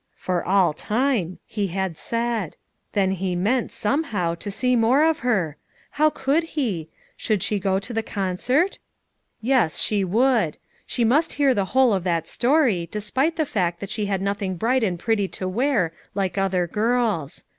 "For all time/' he had said. Then he meant, somehow, to see more of her. How could he? Should she go FOUR MOTHERS AT CHAUTAUQUA 179 to the concert! Yes, she would. She must hear the whole of that story, despite the fact that she had nothing bright and pretty to wear, like other girls.